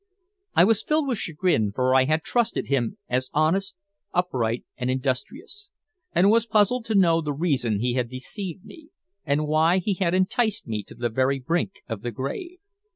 I was filled with chagrin, for I had trusted him as honest, upright, and industrious; and was puzzled to know the reason he had deceived me, and why he had enticed me to the very brink of the grave.